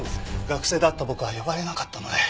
学生だった僕は呼ばれなかったので。